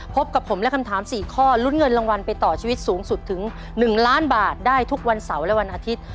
พบกับผมและคำถาม๔ข้อลุ้นเงินรางวัลไปต่อชีวิตสูงสุดถึง๑ล้านบาทได้ทุกวันเสาร์และวันอาทิตย์